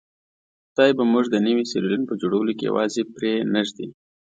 خدای به موږ د نوي سیریلیون په جوړولو کې یوازې پرې نه ږدي.